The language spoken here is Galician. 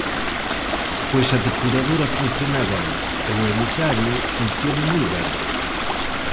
Pois a depuradora funciona ben e o emisario funciona moi ben.